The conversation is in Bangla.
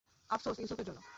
আফসোস ইউসুফের জন্যে।